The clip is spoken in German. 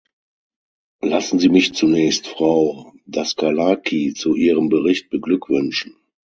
Lassen Sie mich zunächst Frau Daskalaki zu ihrem Bericht beglückwünschen.